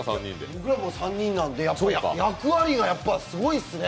僕らも３人なんで、役割がやっぱすごいっすね。